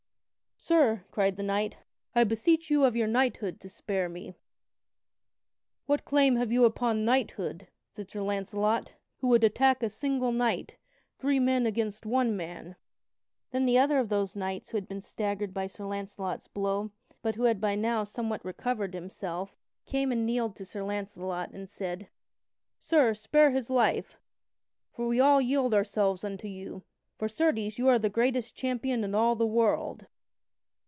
"Sir," cried the knight, "I beseech you of your knighthood to spare me." "What claim have you upon knighthood," said Sir Launcelot, "who would attack a single knight, three men against one man?" Then the other of those knights who had been staggered by Sir Launcelot's blow, but who had by now somewhat recovered himself, came and kneeled to Sir Launcelot, and said: "Sir, spare his life, for we all yield ourselves unto you, for certes, you are the greatest champion in all the world."